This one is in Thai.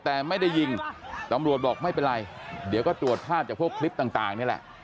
แต่ไม่ได้ยิงตำรวจบอกไม่เป็นไรเดี๋ยวก็ตรวจภาพจากพวกคลิปต่างนี่แหละ